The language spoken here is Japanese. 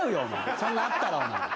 そんなあったら。